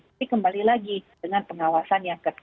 tapi kembali lagi dengan pengawasan yang ketat